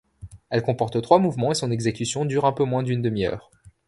Elle comporte trois mouvements et son exécution dure un peu moins d'une demi-heure.